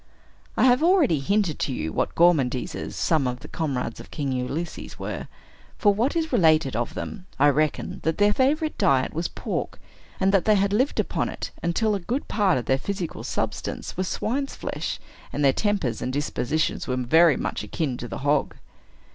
I have already hinted to you what gormandizers some of the comrades of King Ulysses were. From what is related of them, I reckon that their favorite diet was pork, and that they had lived upon it until a good part of their physical substance was swine's flesh, and their tempers and dispositions were very much akin to the hog.